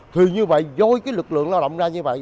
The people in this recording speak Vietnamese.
thì như vậy vôi cái lực lượng lao động ra như vậy